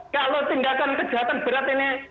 kalau tindakan kejahatan berat ini